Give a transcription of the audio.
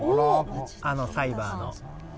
あのサイバーの。